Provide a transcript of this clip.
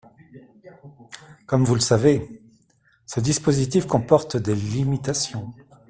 Comme vous le savez, ce dispositif comporte des limitations.